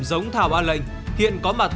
giống thảo an lệnh hiện có mặt